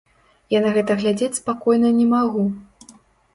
Я на гэта глядзець спакойна не магу.